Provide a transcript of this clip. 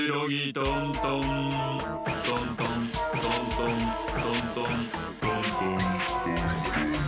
トントントントントントントントントントン。